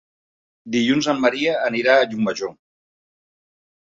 Dilluns en Maria anirà a Llucmajor.